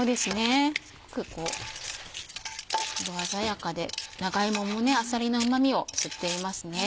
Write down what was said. すごく色鮮やかで長芋もあさりのうま味を吸っていますね。